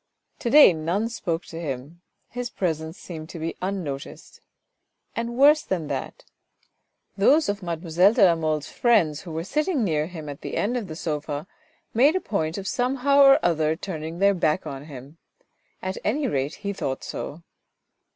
To day none spoke to him, his presence seemed to be unnoticed, and worse than that. Those of mademoiselle de la Mole's friends who THE JAPANESE VASE 373 were sitting near him at the end of the sofa, made a point of somehow or other turning their back on him, at any rate he thought so.